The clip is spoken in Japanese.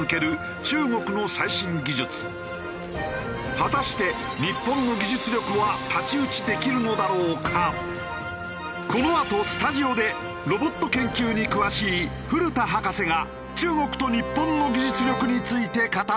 果たしてこのあとスタジオでロボット研究に詳しい古田博士が中国と日本の技術力について語る。